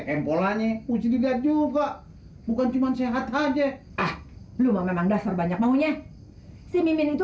kem polanya usir juga juga bukan cuman sehat aja ah lu memang dasar banyak maunya si mimin itu